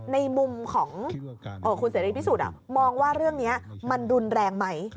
ในมุมของคุณเสรีพิสุทธิ์มองว่าเรื่องนี้มันรุนแรงไหม